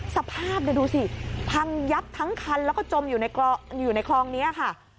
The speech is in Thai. สภาพดูสิพังยับทั้งคันแล้วก็จมอยู่ในคลองนี้ค่ะ